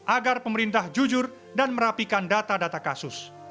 agar pemerintah jujur dan merapikan data data kasus